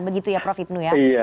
begitu ya prof hipnu ya